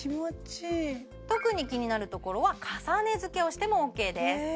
特に気になるところは重ねづけをしてもＯＫです